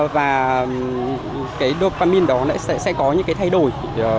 và cái dopamine đó sẽ có những cái thay đổi